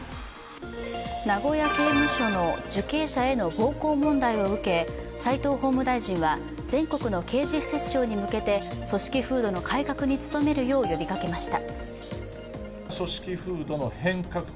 名古屋刑務所の受刑者への暴行問題を受け、斎藤法務大臣は全国の刑事施設長に向けて組織風土の改革に努めるよう呼びかけました。